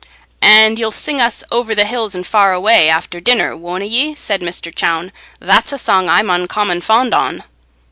"And ye'll sing us 'Over the hills and far away,' after dinner, wonna ye?" said Mr. Chowne. "That's a song I'm uncommon fond on."